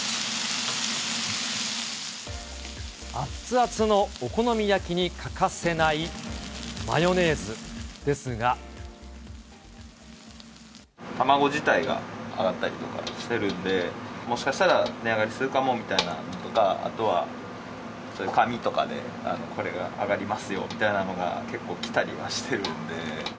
あっつあつのお好み焼きに欠卵自体が上がったりとかしてるんで、もしかしたら値上がりするかもみたいなとか、あとそういう紙とかで、これが上がりますよみたいなのが結構来たりはしてるんで。